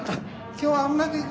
今日はうまくいくわ。